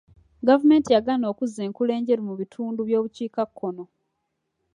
Gavumenti yagaana okuzza enkula enjeru mu bitundu by'obukiikakkono.